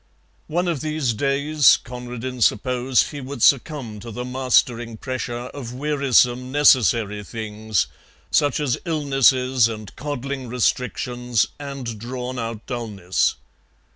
One of these days Conradin supposed he would succumb to the mastering pressure of wearisome necessary things such as illnesses and coddling restrictions and drawn out dullness.